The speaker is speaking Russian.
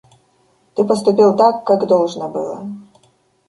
Ты поступил так, как должно было.